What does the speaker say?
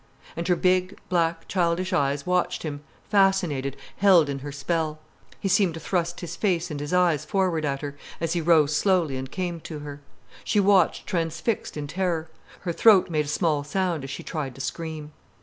And her big, black, childish eyes watched him, fascinated, held in her spell. He seemed to thrust his face and his eyes forward at her, as he rose slowly and came to her. She watched transfixed in terror. Her throat made a small sound, as she tried to scream.